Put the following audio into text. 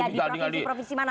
di provinsi provinsi mana